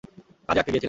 কাজে আটকে গিয়েছিলাম।